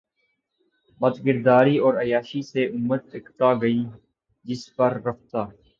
بدکرداری اور عیاشی سے امت اکتا گئ جس پر رفتہ